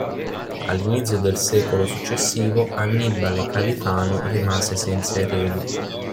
All'inizio del secolo successivo Annibale Califano rimase senza eredi.